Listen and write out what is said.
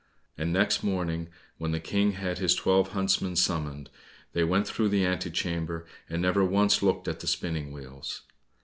And next morning when the King had his twelve huntsmen summoned, they went through the ante chamber, and never once looked at the spinning wheels.